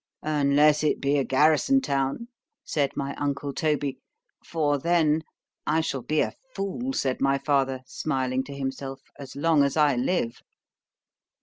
——Unless it be a garrison town, said my uncle Toby——for then—I shall be a fool, said my father, smiling to himself, as long as I live.